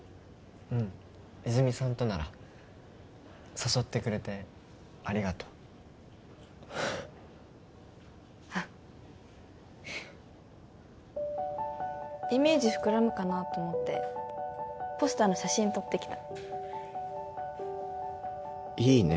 うん泉さんとなら誘ってくれてありがとうあっイメージ膨らむかなと思ってポスターの写真撮ってきたいいね